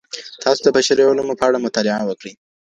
تاسو د بشري علومو په اړه مطالعه وکړئ.